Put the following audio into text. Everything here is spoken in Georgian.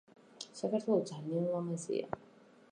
საქართველო ძალიან ლამაზია